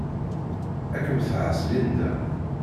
Ad kem-tɛass Linda.